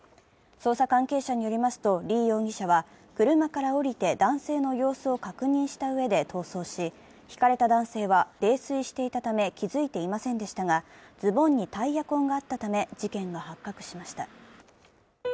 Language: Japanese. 捜査関係者によりますと、リ容疑者は、車から降りて男性の様子を確認したうえで逃走し、ひかれた男性は泥酔していたため気づいていませんでしたが「Ｓｕｎトピ」、高安さんです。